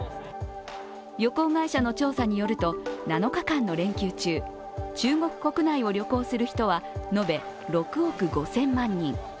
旅行会社の調査によると７日間の連休中、中国国内を旅行する人は延べ６億５０００万人。